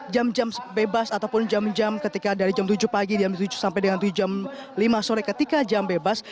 jam jam bebas ataupun jam jam ketika dari jam tujuh pagi jam tujuh sampai dengan jam lima sore ketika jam bebas